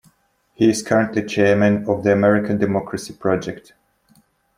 He is currently chairman of the American Democracy Project.